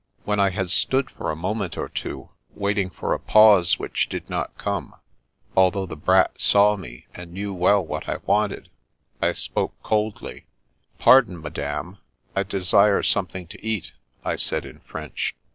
When I had stood for a moment or two, waiting for a pause which did not come, altliough the brat saw me and knew well what I wanted, I spoke coldly :" Pardon, madame, I desire something to eat," I said in French.